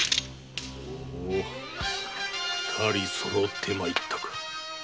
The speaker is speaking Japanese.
ほう二人そろって参ったか。